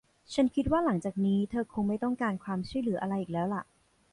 ฉันคิดว่าหลังจากนี้เธอคงไม่ต้องการความช่วยเหลืออะไรอีกแล้วล่ะ